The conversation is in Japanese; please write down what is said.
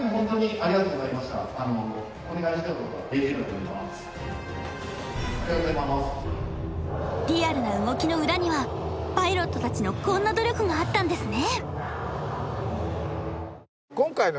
ありがとうございますリアルな動きの裏にはパイロットたちのこんな努力があったんですね